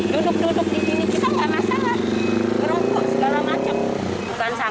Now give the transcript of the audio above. duduk duduk disini kita nggak masalah